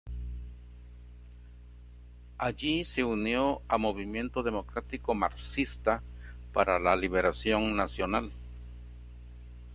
Allí se unió a Movimiento Democrático Marxista para la Liberación Nacional.